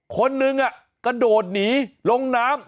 คนหนึ่งกระโดดหนีลงน้ำ